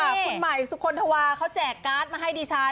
คุณใหม่สุคลธวาเขาแจกการ์ดมาให้ดิฉัน